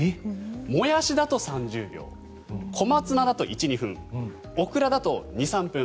モヤシだと３０秒小松菜だと１２分オクラだと２３分。